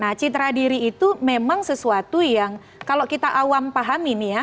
nah citra diri itu memang sesuatu yang kalau kita awam pahami nih ya